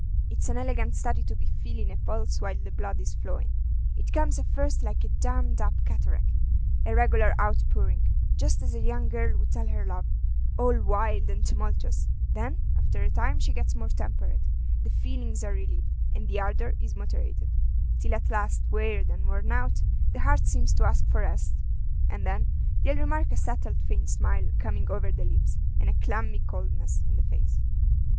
It's an elegant study to be feelin' a pulse while the blood is flowin'. It comes at first like a dammed up cataract, a regular out pouring, just as a young girl would tell her love, all wild and tumultuous; then, after a time, she gets more temperate, the feelings are relieved, and the ardor is moderated, till at last, wearied and worn out, the heart seems to ask for rest; and then ye'll remark a settled faint smile coming over the lips, and a clammy coldness in the face."